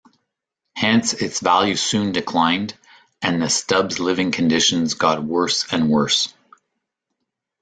Hence, its value soon declined, and the Stubs' living conditions got worse and worse.